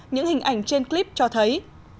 những hình ảnh trên clip cho thấy